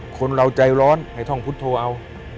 คนเราใจร้อนให้ท่องพุทธโธเอา